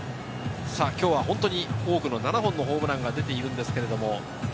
今日は本当に多くの７本のホームランが出ています。